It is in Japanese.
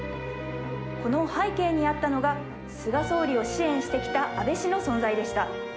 この背景にあったのが、菅総理を支援してきた安倍氏の存在でした。